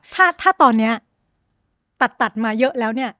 ถ้าตอนนี้ตัดมาเยอะแล้วเนี่ย